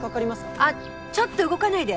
あちょっと動かないで。